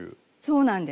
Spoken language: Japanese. そうなんです。